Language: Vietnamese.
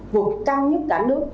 vượt cao nhất cả nước